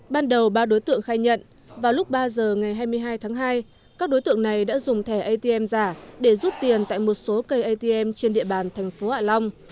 ban đầu ba đối tượng khai nhận vào lúc ba giờ ngày hai mươi hai tháng hai các đối tượng này đã dùng thẻ atm giả để rút tiền tại một số cây atm trên địa bàn thành phố hạ long